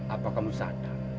apa kamu sadar